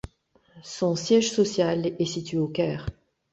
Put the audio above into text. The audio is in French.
Son siège social est situé au Caire.